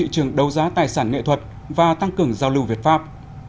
trường đấu giá tài sản nghệ thuật và tăng cường giao lưu việt pháp